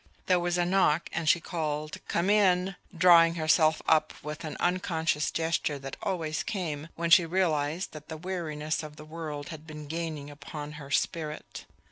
There was a knock, and she called, "Come in!" drawing herself up with an unconscious gesture that always came when she realized that the weariness of the world had been gaining upon her spirit.